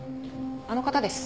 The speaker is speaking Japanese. あの方です。